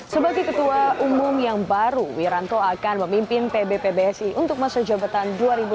sebagai ketua umum yang baru wiranto akan memimpin pbtbsi untuk masa jabatan dua ribu enam belas dua ribu dua puluh